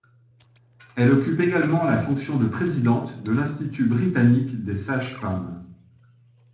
Elle occupe également la fonction de présidente de l'Institut britannique des sages-femmes.